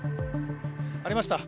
ありました。